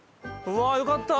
うわーよかった！